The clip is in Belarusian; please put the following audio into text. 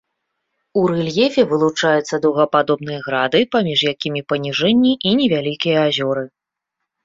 У рэльефе вылучаюцца дугападобныя грады, паміж якімі паніжэнні і невялікія азёры.